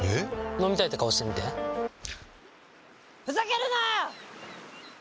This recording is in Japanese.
飲みたいって顔してみてふざけるなー！